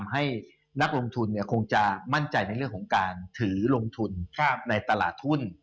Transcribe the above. ให้นักลงทุนคงจะมั่นใจในเรื่องของการถือลงทุนในตลาดทุน